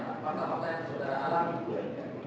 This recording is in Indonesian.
makanya makanya saudara alami